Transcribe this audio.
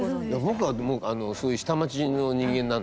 僕はもうそういう下町の人間なんで。